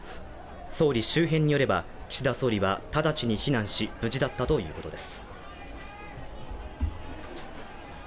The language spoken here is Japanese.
総理周辺によれば、岸田総理は直ちに避難し無事だったということです。